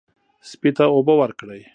سپي ته اوبه ورکړئ.